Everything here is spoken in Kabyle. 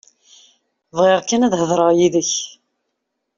Bɣiɣ kan ad hedreɣ yid-k.